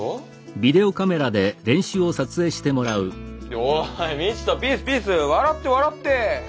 おい道人ピースピース笑って笑って。